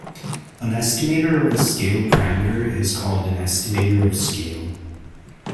An estimator of a scale parameter is called an estimator of scale.